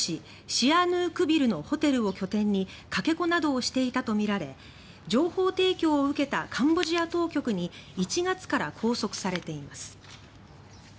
シアヌークビルのホテルを拠点にかけ子などをしていたとみられ情報提供を受けたカンボジア当局に１月から拘束されています。